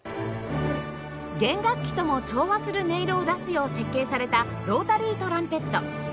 弦楽器とも調和する音色を出すよう設計されたロータリートランペット